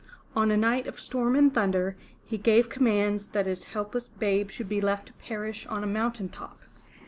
On a night of storm and thunder, he gave commands that his helpless babe should be left to perish on a mountain top.